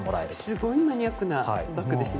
すごいマニアックなバッグですね。